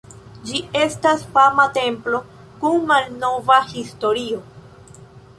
Ĝi estas fama templo kun malnova historio.